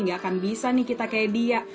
gak akan bisa nih kita kayak dia